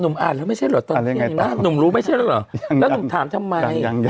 อ่านแล้วไม่ใช่เหรอตอนนี้หนุ่มรู้ไม่ใช่แล้วเหรอแล้วหนุ่มถามทำไม